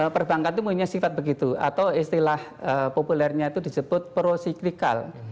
perbankan itu punya sifat begitu atau istilah populernya itu disebut pro cyclical